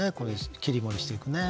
切り盛りしていくね。